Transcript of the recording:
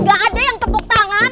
gak ada yang tepuk tangan